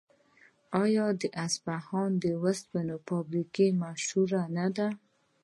آیا د اصفهان د وسپنې فابریکه مشهوره نه ده؟